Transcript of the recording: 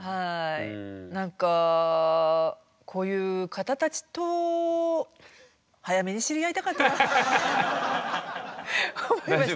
なんかこういう方たちと早めに知り合いたかったなって思いました。